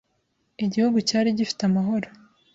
Igihugu cyari gifite amahoro.